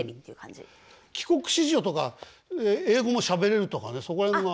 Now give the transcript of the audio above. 帰国子女とか英語もしゃべれるとかねそこら辺は。